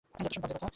যত্তসব বাজে কথা!